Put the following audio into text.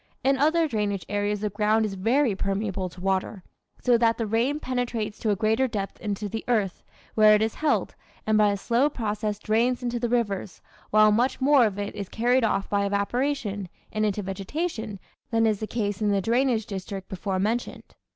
In other drainage areas the ground is very permeable to water, so that the rain penetrates to a greater depth into the earth, where it is held, and by a slow process drains into the rivers, while much more of it is carried off by evaporation and into vegetation than is the case in the drainage district before mentioned.